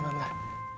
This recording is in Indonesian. bentar bentar bentar